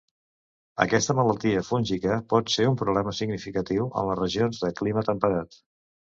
Aquesta malaltia fúngica pot ser un problema significatiu en les regions de clima temperat.